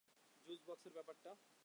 Juice বক্সের ব্যাপারটা?